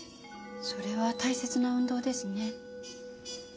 それは大切な運動ですね。